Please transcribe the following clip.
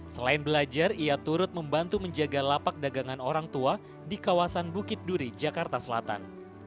selain belajar ia turut membantu menjaga lapak dagangan orang tua di kawasan bukit duri jakarta selatan